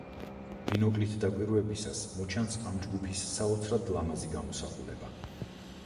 ბინოკლით დაკვირვებისას მოჩანს ამ ჯგუფის საოცრად ლამაზი გამოსახულება.